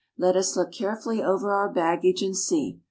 Let us look carefully over our baggage and see.